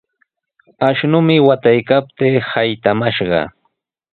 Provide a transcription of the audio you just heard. Ashnumi wataykaptii saytamashqa.